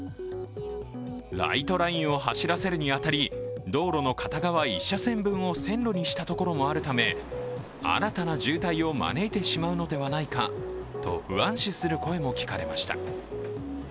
ライトラインを走らせるに当たり、道路の片側１車線分を線路にしたところもあるため新たな渋滞を招いてしまうのではないかと不安視する声も聞かれました。